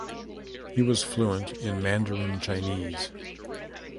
He was fluent in Mandarin Chinese.